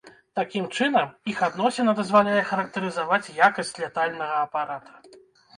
Такім чынам, іх адносіна дазваляе характарызаваць якасць лятальнага апарата.